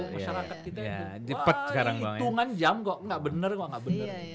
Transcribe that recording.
wah hitungan jam kok gak bener kok gak bener